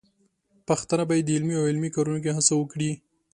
پښتانه بايد د علمي او عملي کارونو کې هڅه وکړي.